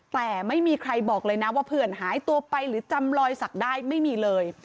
แต่ไม่มีใครบอกเลยนะว่าเพื่อนหายตัวไปหรือจำรอยสักได้ไม่มีเลย